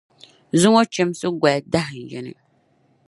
Zuŋↄ Chimsi goli dahinyini.